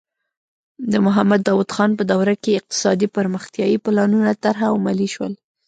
د محمد داؤد خان په دوره کې اقتصادي پرمختیايي پلانونه طرح او عملي شول.